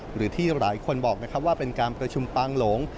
หรือที่หลายคนบอกนะครับว่าเป็นการประชุมปางหลง